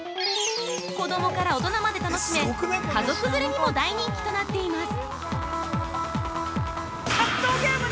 子供から大人まで楽しめ家族連れにも大人気となっています。